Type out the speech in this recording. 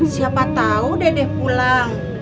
siapa tau dede pulang